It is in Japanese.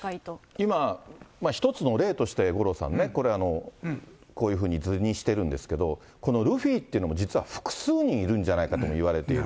今、１つの例として五郎さんね、これ、こういうふうに図にしてるんですけど、このルフィってのも実は複数人いるんじゃないかともいわれている。